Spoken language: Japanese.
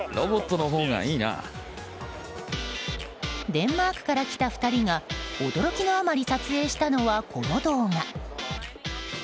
デンマークから来た２人が驚きのあまり撮影したのはこの動画。